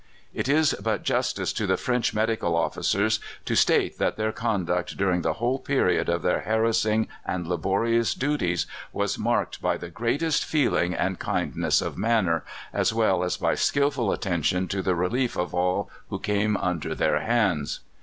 It is but justice to the French medical officers to state that their conduct during the whole period of their harassing and laborious duties was marked by the greatest feeling and kindness of manner, as well as by skilful attention to the relief of all who came under their hands.